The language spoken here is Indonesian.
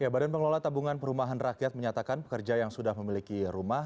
badan pengelola tabungan perumahan rakyat menyatakan pekerja yang sudah memiliki rumah